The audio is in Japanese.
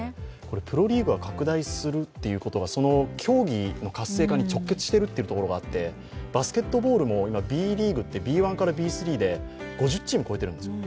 プロリーグが拡大するということはその競技の活性化に直結しているところがあってバスケットボールも今、ＢリーグってＢ１からＢ３で５０チームを超えているんですよ。